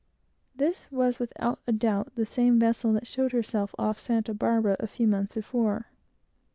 This was without doubt the same vessel that showed herself off Santa Barbara a few months before.